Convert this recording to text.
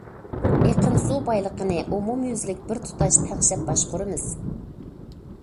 ئېقىن سۇ بايلىقىنى ئومۇميۈزلۈك بىر تۇتاش تەڭشەپ باشقۇرىمىز.